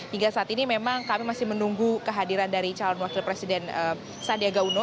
hingga saat ini memang kami masih menunggu kehadiran dari calon wakil presiden sandiaga uno